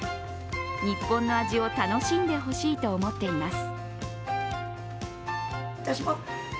日本の味を楽しんでほしいと思っています。